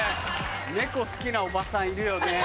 猫好きなおばさんいるよね。